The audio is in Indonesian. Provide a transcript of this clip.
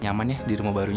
nyaman ya di rumah barunya